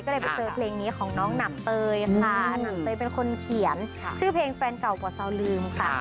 ก็เลยไปเจอเพลงนี้ของน้องหนับเตยค่ะหนังเตยเป็นคนเขียนชื่อเพลงแฟนเก่ากว่าซาวลืมค่ะ